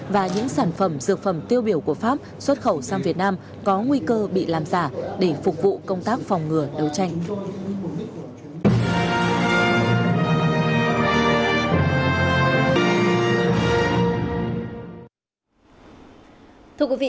và những sản phẩm dược phẩm tiêu biểu của pháp xuất khẩu sang việt nam có nguy cơ bị làm giả để phục vụ công tác phòng ngừa đấu tranh